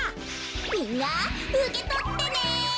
みんなうけとってね！